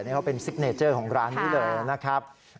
นี่เขาเป็นซิกเนเจอร์ของร้านนี้เลยนะครับ